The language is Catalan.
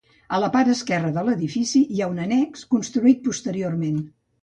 A la part esquerra de l'edifici hi ha un annex construït posteriorment.